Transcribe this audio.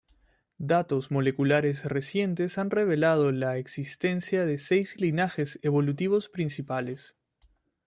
Datos moleculares recientes han revelado la existencia de seis linajes evolutivos principales.